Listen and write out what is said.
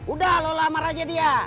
udah lo lamar aja dia